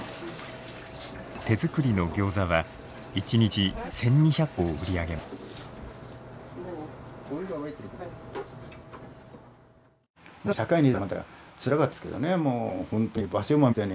手作りのギョーザは１日１，２００個を売り上げます。